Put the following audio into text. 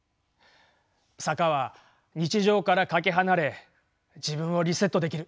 坂は日常からかけ離れ自分をリセットできる。